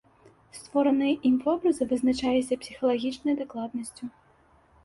Створаныя ім вобразы вызначаліся псіхалагічнай дакладнасцю.